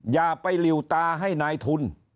อย่าไปหลิวตาให้นายทุน